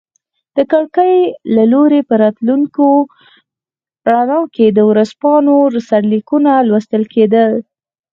د کړکۍ له لوري په راتلونکي رڼا کې د ورځپاڼو سرلیکونه لوستل کیدل.